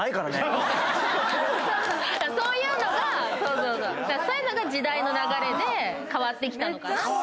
そういうのが時代の流れで変わってきたのかなと。